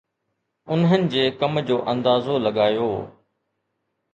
انهن جي ڪم جو اندازو لڳايو